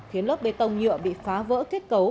khiến lớp bê tông nhựa bị phá vỡ kết cấu